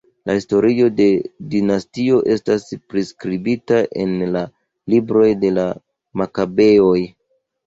La historio de la dinastio estas priskribita en la Libroj de la Makabeoj.